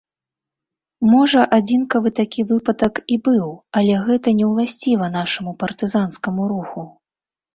Можа, адзінкавы такі выпадак і быў, але гэта неўласціва нашаму партызанскаму руху.